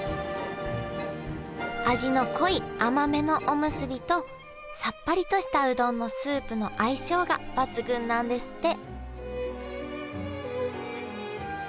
味の濃い甘めのおむすびとさっぱりとしたうどんのスープの相性が抜群なんですって